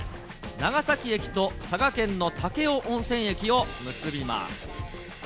長崎駅と佐賀県の武雄温泉駅を結びます。